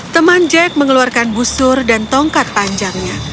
teman jack mengeluarkan busur dan tongkat panjangnya